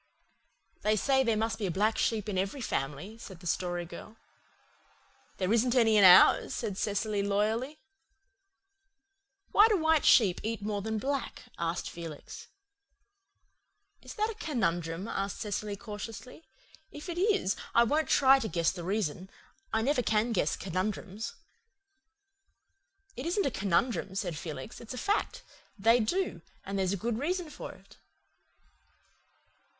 "They say there must be a black sheep in every family," said the Story Girl. "There isn't any in ours," said Cecily loyally. "Why do white sheep eat more than black?" asked Felix. "Is that a conundrum?" asked Cecily cautiously. "If it is I won't try to guess the reason. I never can guess conundrums." "It isn't a conundrum," said Felix. "It's a fact. They do and there's a good reason for it."